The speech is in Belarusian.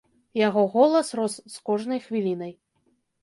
Яго голас рос з кожнай хвілінай.